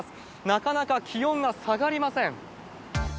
なかなか気温が下がりません。